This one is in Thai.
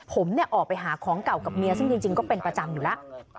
ผมออกไปหาของเก่ากับเมียซึ่งจริงก็เป็นประจำอยู่แล้ว